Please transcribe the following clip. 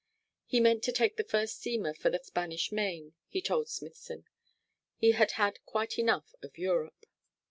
He meant to take the first steamer for the Spanish Main, he told Smithson. He had had quite enough of Europe.